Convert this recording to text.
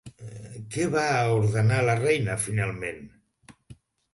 Què va ordenar la reina finalment?